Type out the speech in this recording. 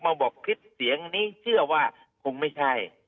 มาบอกพิษเสียงนี้คงไม่ใช่